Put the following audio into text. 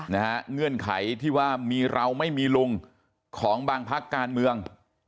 เงื่อนไขที่ว่ามีเราไม่มีลุงของบางพักการเมือง